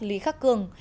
lý khắc cường